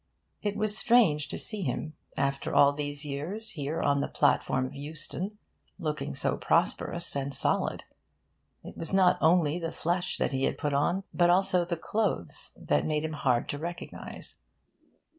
It was strange to see him, after all these years, here on the platform of Euston, looking so prosperous and solid. It was not only the flesh that he had put on, but also the clothes, that made him hard to recognise.